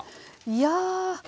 いや。